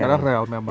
karena rel memang